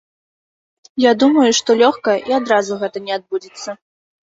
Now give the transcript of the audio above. Я думаю, што лёгка, і адразу гэта не адбудзецца.